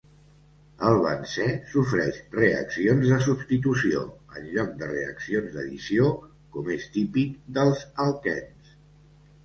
El benzè sofreix reaccions de substitució, en lloc de reaccions d'addició, com és típic dels alquens.